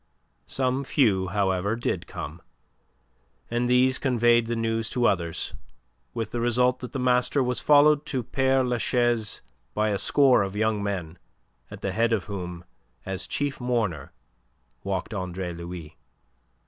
Some few, however, did come, and these conveyed the news to others, with the result that the master was followed to Pere Lachaise by a score of young men at the head of whom as chief mourner walked Andre Louis.